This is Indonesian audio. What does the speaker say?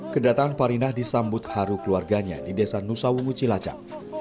kedatangan farinah disambut haru keluarganya di desa nusa wungu cilacap